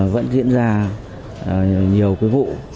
vẫn diễn ra nhiều vụ